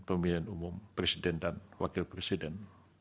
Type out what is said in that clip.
pemilihan umum presiden dan wakil presiden